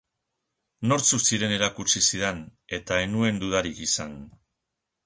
Nortzuk ziren erakutsi zidan, eta ez nuen dudarik izan.